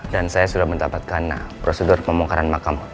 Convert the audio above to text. dan saya sudah mendapatkan prosedur pemongkaran makam